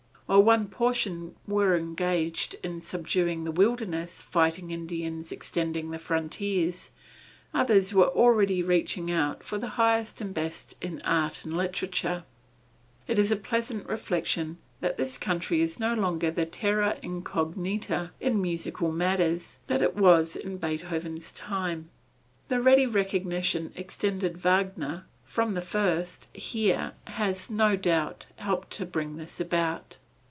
While one portion were engaged in subduing the wilderness, fighting Indians, extending the frontier, others were already reaching out for the highest and best in art and literature.[E] It is a pleasant reflection that this country is no longer the terra incognita in musical matters that it was in Beethoven's time. The ready recognition extended Wagner from the first here, has, no doubt, helped to bring this about.